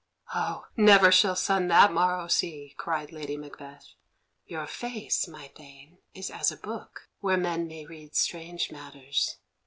"Oh, never shall sun that morrow see!" cried Lady Macbeth. "Your face, my Thane, is as a book, where men may read strange matters.